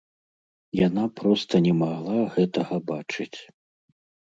Яна проста не магла гэтага бачыць!